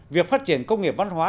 việc phát triển công nghiệp văn hóa